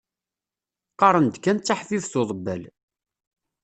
Qqaren-d kan d taḥbibt uḍebbal.